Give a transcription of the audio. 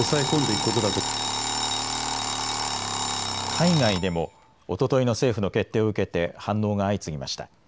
海外でもおとといの政府の決定を受けて反応が相次ぎました。